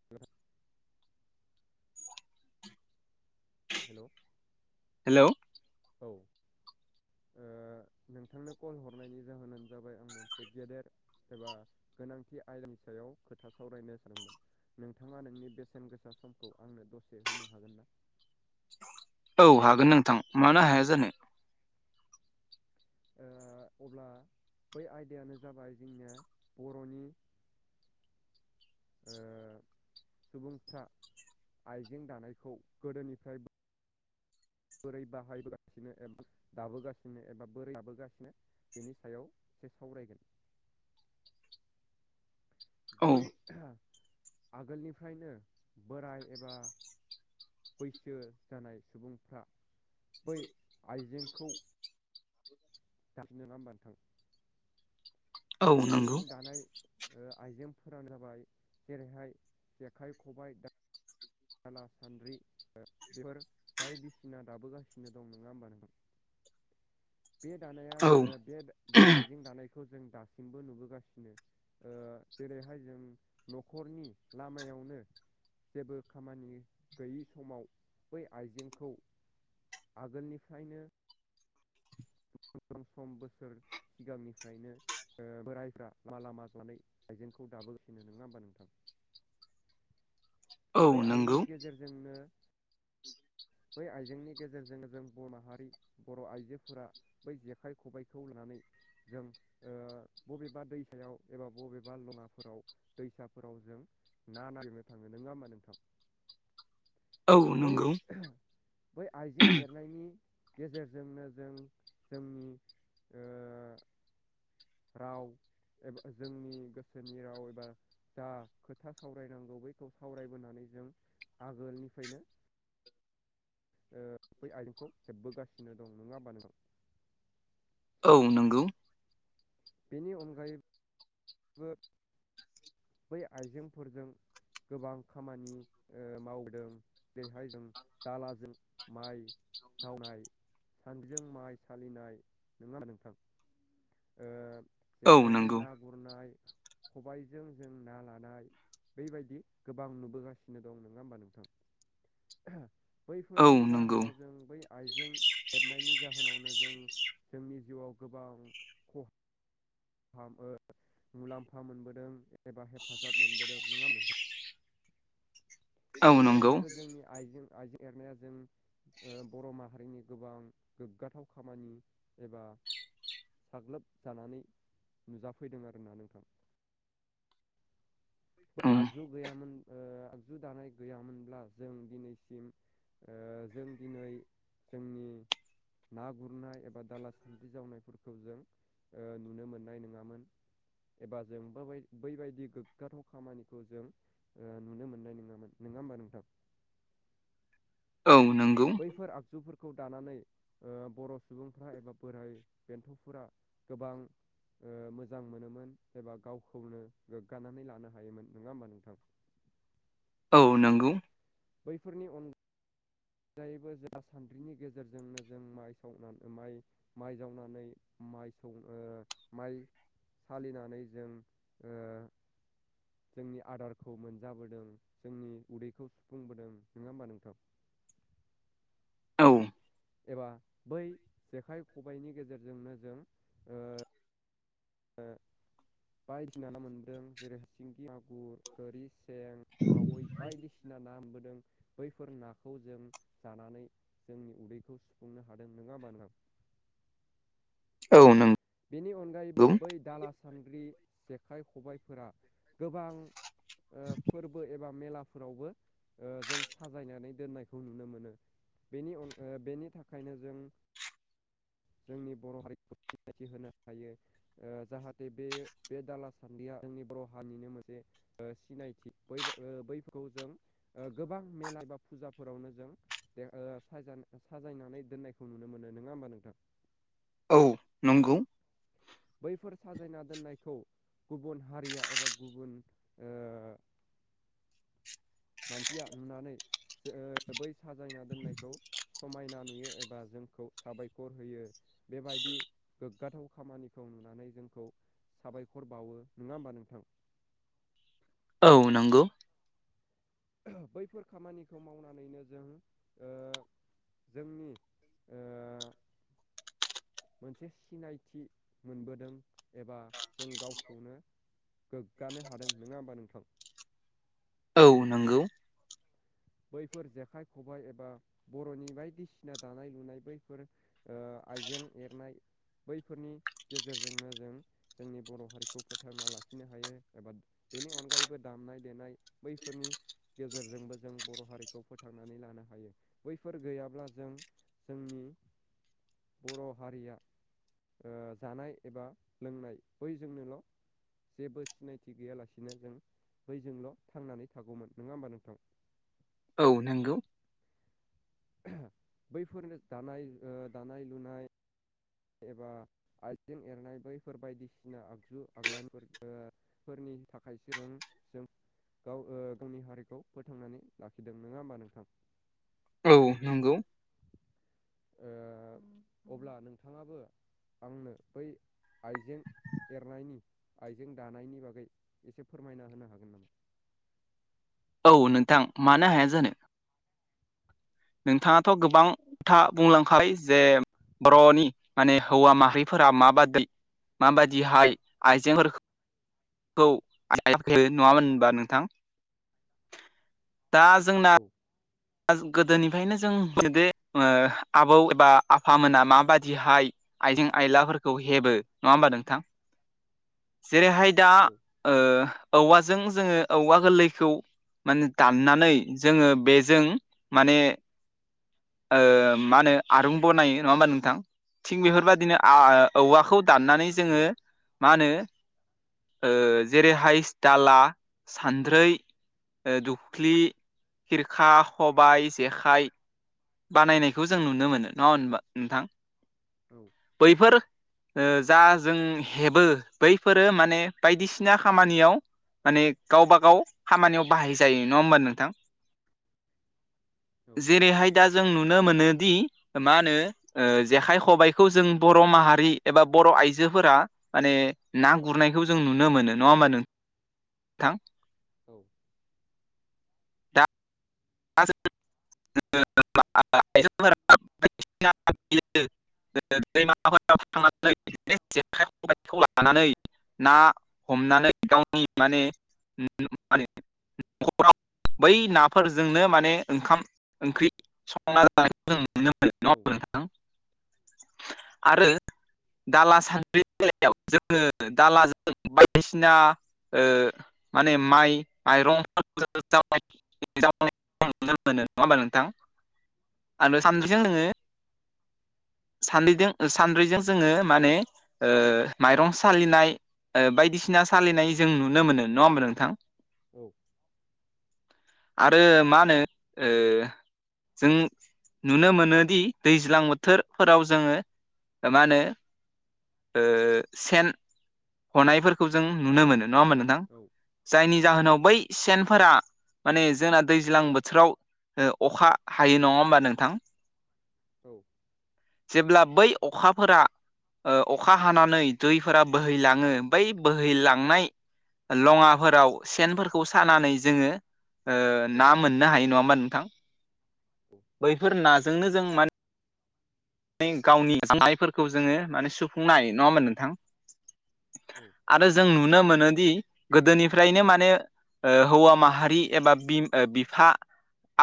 [inaudible] Hello hello औ ओ नोंथांनो कल हरनायनि जाहोनानो जाबाय आं मोनसे गेदेर एबा गोनांथि आयदानि सायाव खोथा सावरायनो सानदों मोन नोंथाङा नोंनि बेसेन गोसा समखौ आंनो दसे होनो हागोन ना? औ हागोन नोंथां मानो हाया जानो ओ अब्ला बै आयदायानो जाबाय जोंनिया बर'नि ओ सुबुंफ्रा आइजें दानायखौ गोदोनिफ्राय बोरै बाहायबोगासिनो एबा दाबोगासिनो एबा बोरै दाबोगासिनो बेनि सायाव एसे सावरायगोन औ बै आगोलनिफ्रायनो बोराय एबा बैसो जानाय सुबुंफ्रा बै आइजेंखौ दाबो नङा होमबा नोंथां? औ बै नंगौ आइजें दानाय आइजेंफोरानो जाबाय जेरैहाय जेखाइ खबाय दा दाला सान्द्रि बेफोर बायदिसिना दाबोगासिनो दं नङा होमबा नोंथां बे दानाया औ बे बे आइजें दानायखौ जों दासिमबो नुबोगासिनो ओ जेरैहाय जों न'खरनि लामायावनो जेबो खामानि गैयि समाव बै आइजेंखौ आगोलनिफ्रायनो गोबां सम बोसोर सिगांनिफ्रायनो ओ बोरायफ्रा लामा लामा जनानै आइजेंखौ दाबोगासिनो नङा होमबा नोंथां? औ बै नंगौ आयजेंनि गेजेरजोंनो बै आइजेंनि गेजेरजोंनो जों बर' माहारि बर' आइजोफोरा बै जेखाइ-ख'बाइखौ लानानै जों ओ बबेबा दैसायाव एबा बबेबा लङाफोराव दैसाफोराव जों ना नागिरनो थाङो नोङा ओमबा नोंथां औ बै नंगौ बै आइजें एरनायनि गेजेरजोंनो जों जोंनि ओ राव एबा जोंनि गोसोनि राव एबा जा खोथा सावरायनांगौ बैखौ सावरायबोनानै जों आगोलनिफ्रायनो ओ बै आयजेंखौ हेबबोगासिनो दं नङा होमबा नों औ नंगौ बेनि अनगायैबो बो बै आइजेंफोरजों गोबां खामानि मावदों जेरैहाय जों दालाजों माइ जावनाय सानद्रिजों माइ सालिनाय नङा होमबा नोंथां? ओ औ जेखाइजों नंगौ ना गुरनाय खबायजों जों ना लानाय बैबायदि गोबां नुबोगासिनो दं नोङा होमबा नोंथां? औ बैफोरनि नंगौ जाहोनाव जों बै आइजें हेबनायनि जाहोनावनो जों जोंनि जिउआव गोबां ख' ओ मुलाम्फा मोनबोदों एबा हेफाजाब मोनबोदों नङा होमबा नोंथां? औ बेनि नंगौ अनगायैबो जोंनि आइजें आइजें एरनाया जों ओ बर' माहारिनि गोबां गोग्गाथाव खामानि एबा साग्लोब जानानै नुजाफैदों आरोना नोंथां औ आगजु गैयामोन ओ आगजु दानाय गैयामोनब्ला जों दिनैसिम ओ जों दिनै जोंनि ना गुरनाय एबा दाला सान्द्रि जावनायफोरखौ जों ओ नुनो मोननाय नोङामोन एबा जोंबो बैबा बैबायदि गोग्गाथाव खामानिखौ जों ओ नुनो मोननाय नोङामोन नोङा होमबा नोंथां? औ नोंगौ बैफोर आगजुफोरखौ दानानै ओ बर' सुबुंफ्रा एबा बोराय बेन्थ'फोरा गोबां ओ मोजां मोनोमोन एबा गावखौनो गोग्गानानै लानो हायोमोन नोङा होमबा नोंथां औ नोंगौ बैफोरनि अन गायैबो जों सान्द्रिनि गेजेरजोंनो जों माइ सावनानै माइ माइ जावनानै माइ सौ ओ माइ सालिनानै जों ओ जोंनि आदारखौ मोनजाबोदों जोंनि उदैखौ सुफुंबोदों नोङा होमबा नोंथां? औ एबा बै जेखाइ-ख'बाइनि गेजेरजोंनो जों ओ [inaudible] बायदिसिना ना मोन्दों जेरै सिंगि आगुर गोरि सें खावै बायदिसिना ना मोनबोदों बैफोर नाखौ जों जानानै जोंनि उदैखौ सुफुंनो हादों नोङा होमबा नोथां? औ नों बेनि अनगायैबो बै दाला सानद्रि जेखाइ खबाइफोरा गोबां ओ फोरबो एबा मेलाफोरावबो ओ जों साजायनानै दोननायखौ नुनो मोनो। बेनि अन ओ बेनि थाखायनो जों जोंनि बर' हारिखौ सिनायथि होनो हायो ओ जाहाथे बे बे दाला सान्द्रिया जोंनि बर' हारिनिनो मोनसे ओ सिनायथि बैफोर बैफोराव जों ओ गोबां मेला बा फुजाफोरावनो जों दे ओ साजाय साजायनानै दोननायखौ नुनो मोनो नोङा होमबा नोंथां औ नंगौ औ नंगौ बैफोर साजायना दोननायखौ गुबुन हारिया एबा गुबुन ओ [inaudible] मानसिया नुनानै जो ओ बै साजायना दोननायखौ समायना नुयो एबा जोंखौ साबायखर होयो बेबायदि गोग्गाथाव खामानिखौ नुनानै जोंखौ साबायखर बावो नोङा होमबा नोंथां औ नंगौ बैफोर खामानिखौ मावनानैनो जों ओ जोंनि ओ मोनसे सिनायथि मोनबोदों एबा जों गावखौनो गोग्गानो हादों नोङा होमबा नोंथां? औ नंगौ बैफोर जेखाइ खबाय एबा बर'नि बायदिसिना दानाय लुनाय बैफोर ओ आइजें एरनाय बैफोरनि गेजेरजोंनो जों जोंनि बर' हारिखौ फोथांना लाखिनो हायो एबा बेनि अनगायैबो दामनाय देनाय बैफोरनि गेजेरजोंबो जों बर' हारिखौ फोथांनानै लानो हायो बैफोर गैयाब्ला जों जोंनि बर' हारिया ओ जानाय एबा लोंनाय बैजोंनोल' जेबो सिनायथि गैयालासिनो जों बैजोंल' थांनानै थागौमोन नोङा होमबा नोंथां औ नंगौ बैफोरनो दानाय दानाय लुनाय एबा आइजें एरनाय बैफोर बायदिसिना आगजु आग्लानफोरखो फोरनि थाखायसो जों जों गाव ओ गावनि हारिखौ फोथांनानै लाखिदों नोङा होमबा नोंथां औ नंगौ ओ अब्ला नोंथाङाबो आंनो बै आइजें एरनायनि आइजें दानायनि बागै एसे फोरमायना होनो हागोन नामा औ नोंथां मानो हाया जानो नोंथाङा था गोबां खोथा बुंलांखाबाय जे बर'नि माने हौवा माहारिफोरा माबादि माबादिहाय आइजेंफोर खौ [unintelligible] नङा होनबा नोंथां दा जों औ दा गोदोनिफ्रायनो जों जुदि ओ आबौ एबा आफामोना माबादिहाय आइजें आयलाफोरखौ हेबो नङा होमबा नोंथां औ जेरैहाय दा औ ओ औवाजों जोङो औवा गोलैखौ माने दाननानै जोङो बे जों माने ओ मा होनो आरुं बनायो नङा होमबा नोंथां थिग बेफोरबायदिनो औवाखौ दाननानै औ जोङो मा होनो ओ जेरैहाय दाला सानद्रै ओ दुख्लि खा खबाइ जेखाइ बानायनायखौ जों नुनो मोनो नङा होनबा नोंथां औ बैफोर ओ जा जों हेबो बैफोरो माने बायदिसिना खामानियाव माने गावबा गाव खामानियाव बाहाय जायो नङा होमबा नोंथां औ जेरैहाय दा जों नुनो मोनोदि मा होनो ओ जेखाइ खबाइखौ जों बर' माहारि एबा बर' आइजोफोरा माने ना गुरनायखौ जों नुनो मोनो नङा होमबा नोंथां औ दा [unintelligible] ओ दैमाफोराव थांनानै बे जेखाइ खबाइखौ लानानै ना हमनानै गावनि माने [unintelligible] नखराव बै नाफोर जोंनो माने ओंखाम ओंख्रि संना जानायखौ जों नुनो मोनो नङा औ होमबा नों थां आरो दाला सानद्रिनि बेलायाव जोङो दालाजों बायदिसिना ओ माने माइ माइरं [unintelligible] जावनायखौ नुनो मोनो नङा होमबा नोंथां आरो औ सानद्रिजों जोङो [unintelligible] सानद्रिजों सानद्रिजों जोङो माने ओ माइरं सालिनाय ओ बायदिसिना सालिनाय जों नुनो मोनो नङा होमबा नोंथां औ आरो मा होनो ओ जों नुनो मोनोदि दैज्लां बोथोर फोराव जोङो मा होनो ओ सेन हनायफोरखौ जों नुनो मोनो नङा होमबा नों थां औ जायनि औ जाहोनाव बै सेनफोरा माने जोंना दैज्लां बोथोराव ओ अखा हायो नङा होमबा नोंथां औ जेब्ला बै अखाफोरा ओ अखा हानानै दैफोरा बोहैलाङो बै बोहैलांनाय लङाफोराव सेनफोरखौ सानानै जोङो ओ ना मोननो हायो नङा होमबा नोंथां बैफोर नाजोंनो जों माने गावनि जानायफोरखौ जोङो माने सुफुंनो हायो नङा होमबा नोंथां आरो जों नुनो मोनोदि गोदोनिफ्रायनो माने ओ हौवा माहारि एबा बि-बिफा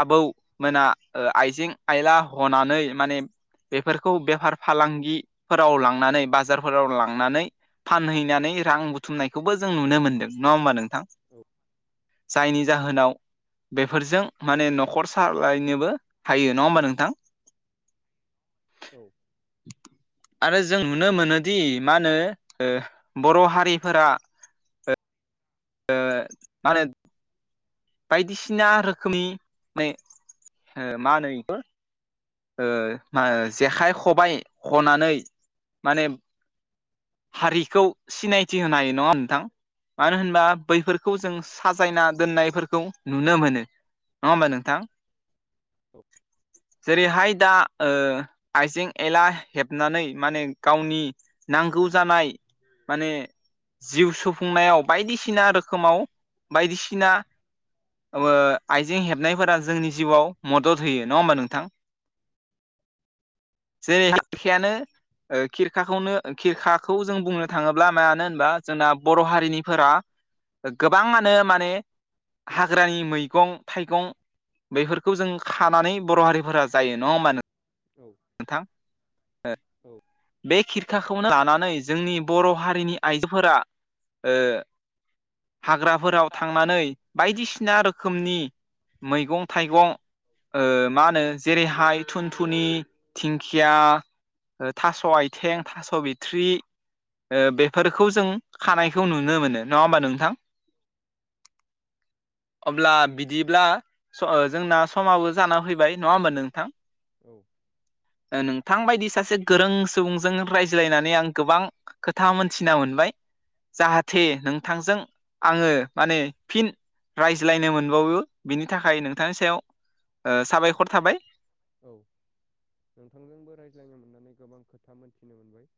आबौमोना आइजें आइला हनानै माने बेफोरखौ बेफार फालांगिफोराव लांनानै बाजारफोराव लांनानै फानहैनानै रां बुथुमनायखौबो जों नुनो मोनदों नङा होमबा नोंथां जायनि जाहोनाव बेफोरजों माने नखर सालायनोबो हायो नङा होमबा नोंथां औ आरो जों नुनो मोनोदि मा होनो ओ बर' हारिफोरा ओ मा होनो बायदिसिना रोखोमनि माने ओ मा होनो इखौ ओ मा जेखाइ खबाइ हनानै माने हारिखौ सिनायथि होनो हायो नङा होमबा नोंथां मानो होनबा बैफोरखौ जों साजायना दोननायफोर खौ नुनो मोनो नङा होमबा नोंथां औ जेरैहाय दा ओ आइजें एला हेबनानै माने गावनि नांगौ जानाय माने जिउ सुफुंनायाव बायदिसिना रोखोमाव बायदिसिना ओ आइजें हेबनायफोरा जोंनि जिउआव मदद होयो नङा होमबा नोंथां जेखियानो ओ खिरखाखौनो खिरखाखौ जों बुंनो थाङोब्ला मानो होनबा जोंना बर' हारिनिफोरा गोबाङानो माने हाग्रानि मैगं थाइगं बैफोरखौ जों खानानै बर' हारिफोरा जायो नङा होमबा नों औ नोंथां औ बे खिरखाखौनो लानानै जोंनि बर' हारिनि आइजोफोरा ओ हाग्राफोराव थांनानै बायदिसिना रोखोमनि मैगं थाइगं मा होनो जेरैहाय थुनथुनि दिंखिया थास' आथें थास' बिथ्रि ओ बेफोरखौ जों खानायखौ नुनो मोनो नंङा होमबा नोंथां [inaudible] अब्ला बिदिब्ला जोंना समाबो जाना फैबाय नंङा होमबा नोंथां औ नोंथां बायदि सासे गोरों सुबुंजों रायज्लायनानै आं गोबां खोथा मोनथिना मोनबाय जाहाथे नोंथांजों आङो माने फिन रायज्लायनो मोनबावो बिनि थाखाय नोंथांनि सायाव साबायखर थाबाय औ नोंथांजोंबो रायज्लायनो मोननानै गोबां खोथा मोन्थिनो मोनबाय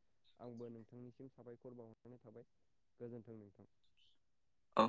आंबो नोंथांनिसिम साबायखर बावाहरनानै थाबाय गोजोन्थों नोंथां औ